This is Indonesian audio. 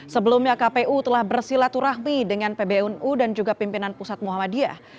sebelumnya kpu telah bersilaturahmi dengan pbnu dan juga pimpinan pusat muhammadiyah